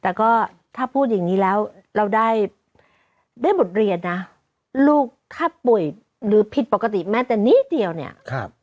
แต่ก็ถ้าพูดอย่างนี้แล้วเราได้ได้บทเรียนนะลูกถ้าป่วยหรือผิดปกติแม้แต่นิดเดียวเนี่ย